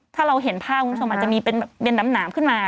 ถ้าเราเห็นภาพมันจะมีเป็นน้ำหนามขึ้นมา